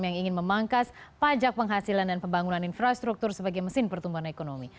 yang ingin memangkas pajak penghasilan dan pembangunan infrastruktur sebagai mesin pertumbuhan ekonomi